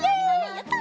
やった！